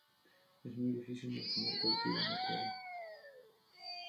Es muy difícil de mantener cautivo en acuario.